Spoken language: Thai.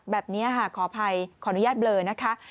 แบบนี้ค่ะขออภัยขออนุญาตเบลอนะคะ